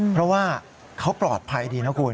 เพราะว่าเขาปลอดภัยดีนะคุณ